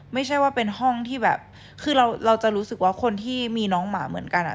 ไม่ใช่ว่าเป็นห้องที่แบบคือเราจะรู้สึกว่าคนที่มีน้องหมาเหมือนกัน